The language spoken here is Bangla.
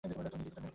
তুমি রেডি তো?